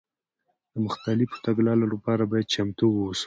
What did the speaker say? د مختلفو تګلارو لپاره باید چمتو واوسو.